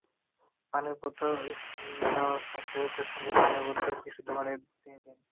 পানির বোতলস্কুলে যাওয়ার সময় শিশুর সঙ্গে পানির বোতলে বিশুদ্ধ পানি দিয়ে দিন।